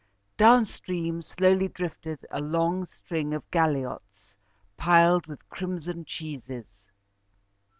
Down stream slowly drifted a long string of galliots piled with crimson cheeses.